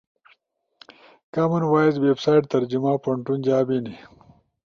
امن وائس ویب سائٹ ترجمہ پونٹون جا بینی۔